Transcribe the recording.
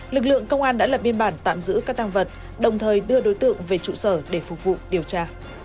lực lượng công an đã lập biên bản tạm giữ các tăng vật đồng thời đưa đối tượng về trụ sở để phục vụ điều tra